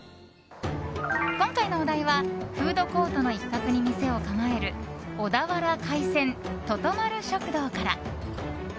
今回のお題はフードコートの一角に店を構える小田原海鮮とと丸食堂から。